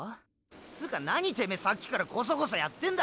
つーか何てめえさっきからコソコソやってんだ！